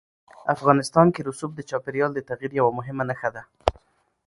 افغانستان کې رسوب د چاپېریال د تغیر یوه مهمه نښه ده.